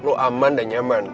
lo aman dan nyaman